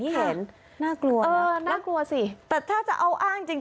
แต่ถ้าจะเอาอ้างจริง